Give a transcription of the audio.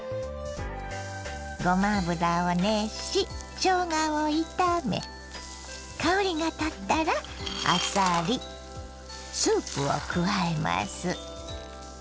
ごま油を熱ししょうがを炒め香りがたったらあさりスープを加えます。